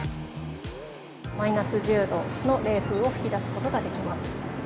マイナス１０度の冷風を吹き出すことができます。